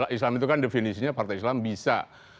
islam itu kan definisinya partai islam bisa